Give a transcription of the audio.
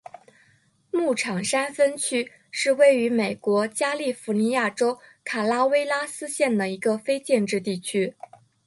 牧场山分区是位于美国加利福尼亚州卡拉韦拉斯县的一个非建制地区。